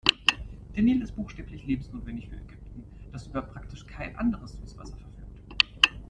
Der Nil ist buchstäblich lebensnotwendig für Ägypten, das über praktisch kein anderes Süßwasser verfügt.